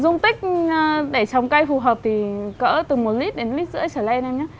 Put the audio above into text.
dung tích để trồng cây phù hợp thì cỡ từ một lít đến một lít rưỡi trở lên nhé